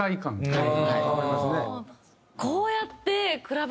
はい。